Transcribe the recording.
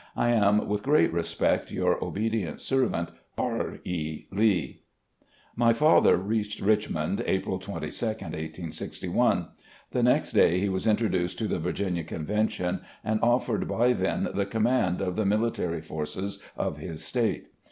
" I am with great respect, "Your obedient servant, "R. E. Lee." My father reached Richmond April 22, 1861. The next day he was introduced to the Virginia Convention, and offered by them the command of the military forces of his State.